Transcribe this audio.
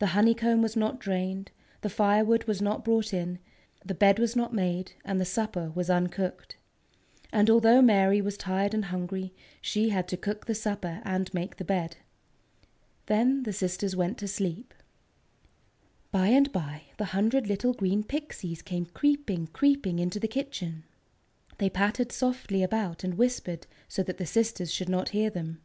The honeycomb was not drained, the firewood was not brought in, the bed was not made, and the supper was uncooked. And although Mary was tired and hungry, she had to cook the supper and make the bed. Then the sisters went to sleep. By and by, the hundred little green Pixies came creeping, creeping into the kitchen. They pattered softly about and whispered so that the sisters should not hear them.